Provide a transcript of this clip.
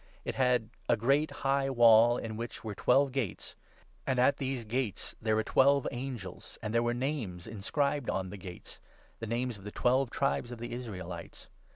It had a great high 12 wall, in which were twelve gates ; and at these gates there were twelve angels, and there were names inscribed on the gates, the names of the twelve tribes of the Israelites.